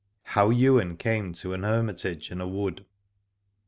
HOW YWAIN CAME TO AN HERMITAGE IN A WOOD.